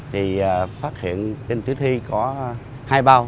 thì phát hiện trên tử thi có hai bao